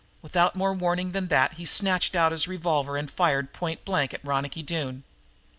Without more warning than that he snatched out his revolver and fired point blank at Ronicky Doone.